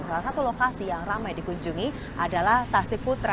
salah satu lokasi yang ramai dikunjungi adalah tasik putra